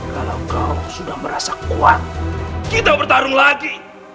kalau kau sudah merasa kuat kita bertarung lagi